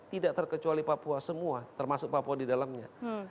tidak terkecuali papua semua termasuk papua di dalamnya